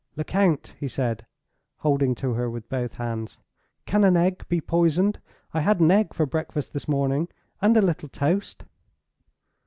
"Lecount!" he said, holding to her with both hands. "Can an egg be poisoned? I had an egg for breakfast this morning, and a little toast."